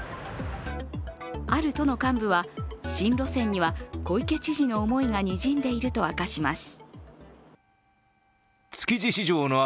ある都の幹部は、新路線には小池知事の思いがにじんでいると明かします。